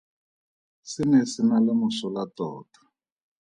Se ne se na le mosola tota.